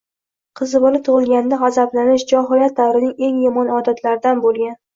Qiz bola tug‘ilganida g‘azablanish johiliyat davrining eng yomon odatlaridan bo‘lgan.